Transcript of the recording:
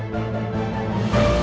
aku mau mencoba